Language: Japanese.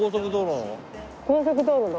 高速道路の。